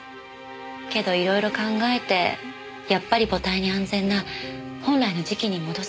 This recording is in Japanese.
けど色々考えてやっぱり母体に安全な本来の時期に戻そうと。